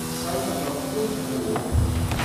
Terseḍ ɣef wayyur.